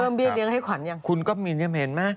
เพิ่มเบียดเลี้ยงให้ขวัญอย่างคุณก็เห็นไหม